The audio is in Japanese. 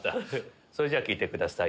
それじゃ聴いてください